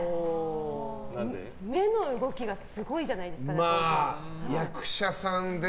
目の動きがすごいじゃないですか中尾さんって。